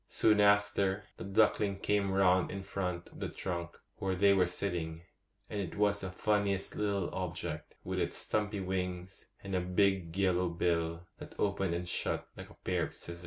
Soon after, the duckling came round in front of the trunk where they were sitting; and it was the funniest little object, with its stumpy wings, and a big yellow bill that opened and shut like a pair of scissors.